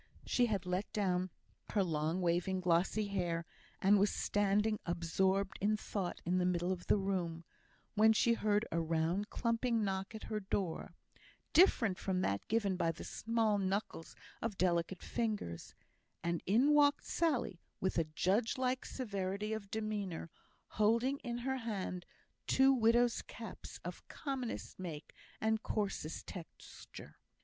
She had let down her long waving glossy hair, and was standing absorbed in thought in the middle of the room, when she heard a round clumping knock at her door, different from that given by the small knuckles of delicate fingers, and in walked Sally, with a judge like severity of demeanour, holding in her hand two widow's caps of commonest make and coarsest texture.